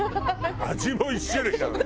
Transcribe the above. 味も１種類なのね。